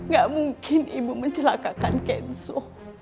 gak mungkin ibu mencelakakan kensu